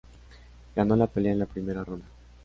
Ganó la pelea en la primera ronda.